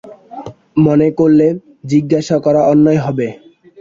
মনে করলে, জিজ্ঞাসা করা অন্যায় হবে।